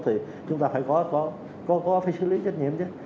thì chúng ta phải có phải xử lý trách nhiệm chứ